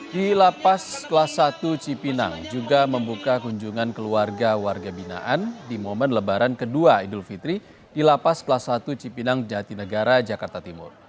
di lapas kelas satu cipinang juga membuka kunjungan keluarga warga binaan di momen lebaran kedua idul fitri di lapas kelas satu cipinang jatinegara jakarta timur